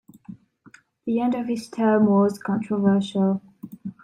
The end of his term was controversial.